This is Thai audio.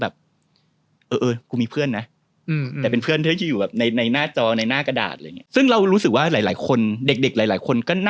แบบขี้โลกเป็นเด็กขี้อายมันก็ได้ทำเรารู้สึกไม่กล้าไปกับคนอื่น